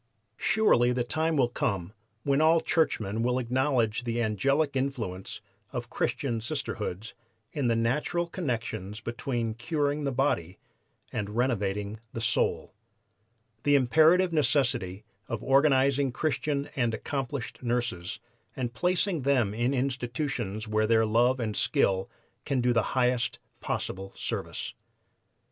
Surely the time will come when all churchmen will acknowledge the angelic influence of Christian Sisterhoods in the natural connections between curing the body and renovating the soul, the imperative necessity of organizing Christian and accomplished nurses and placing them in institutions where their love and skill can do the highest possible service."